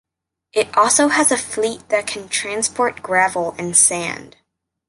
It also has a fleet that can transport gravel and sand.